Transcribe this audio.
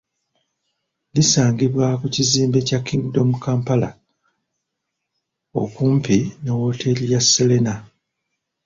Lisangibwa ku kizimbe kya Kingdom Kampala okumpi ne wooteeri ya Sserena.